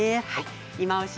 「いまオシ！